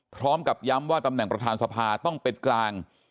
พร้อมกับย้ำว่าตำแหน่งประธานสภาต้องเป็นกลาง